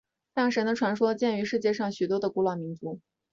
太阳神的传说见于世界上许多的古老民族。